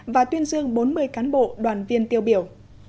và tuyên dương bốn mươi cán bộ đoàn viên tiêu biểu